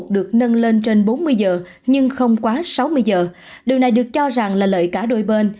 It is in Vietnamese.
được nâng lên trên bốn mươi giờ nhưng không quá sáu mươi giờ điều này được cho rằng là lợi cả đôi bên